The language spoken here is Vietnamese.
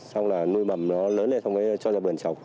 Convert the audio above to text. xong là nuôi mầm nó lớn lên xong rồi cho vào bờn trồng